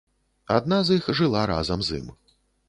Адна з іх жыла разам з ім.